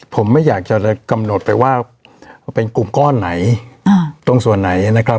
ผมไม่อยากจะกำหนดไปว่าเป็นกลุ่มก้อนไหนตรงส่วนไหนนะครับ